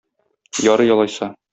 Ярый алайса.